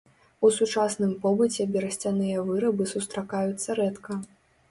У сучасным побыце берасцяныя вырабы сустракаюцца рэдка.